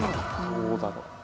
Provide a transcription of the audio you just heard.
どうだろう？